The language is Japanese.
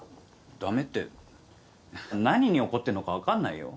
駄目って何に怒ってるのか分かんないよ。